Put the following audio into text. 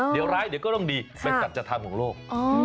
เดี๋ยวร้ายเดี๋ยวก็ต้องดีเป็นสัจธรรมของโลก